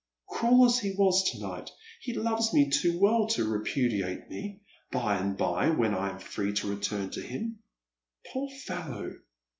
" Cruel as he was to night, he loves me too well to repudiate me by and bye when I am fi ee to return to him. Poor fellow